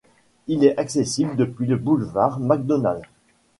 Il est accessible depuis le boulevard Macdonald.